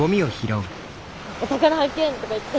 「お宝発見！」とか言って。